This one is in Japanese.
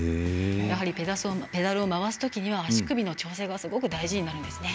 やはりペダルを回すときには足首の調整がすごく大事になるんですね。